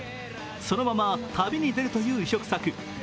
そのまま旅に出るという異色作。